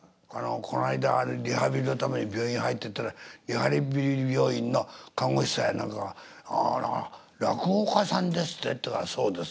こないだリハビリのために病院入ってったらリハビリ病院の看護師さんや何かが「あら落語家さんですって」って言うから「そうです」。